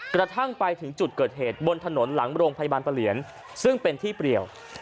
กระทั่งไปถึงจุดเกิดเหตุบนถนนหลังโรงพยาบาลประเหลียนซึ่งเป็นที่เปรียว